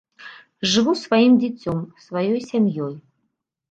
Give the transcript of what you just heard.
Жыву сваім дзіцём, сваёй сям'ёй.